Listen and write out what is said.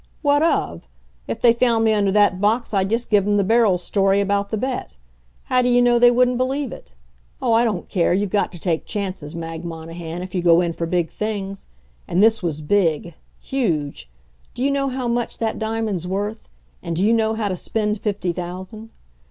What of? If they found me under that box I'd just give 'em the Beryl story about the bet. How do you know they wouldn't believe it? ... Oh, I don't care, you've got to take chances, Mag Monahan, if you go in for big things. And this was big huge. Do you know how much that diamond's worth? And do you know how to spend fifty thousand?